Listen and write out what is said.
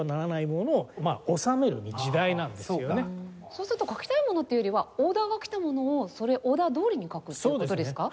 そうすると書きたいものっていうよりはオーダーが来たものをオーダーどおりに書くっていう事ですか？